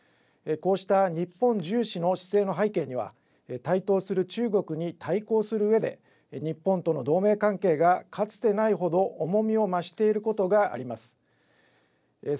こうした日本重視の姿勢の背景には、台頭する中国に対抗するうえで、日本との同盟関係がかつてないほど重みを増していることがあります。